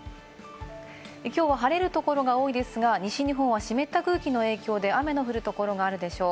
きょうは晴れるところが多いですが西日本は湿った空気の影響で雨の降るところがあるでしょう。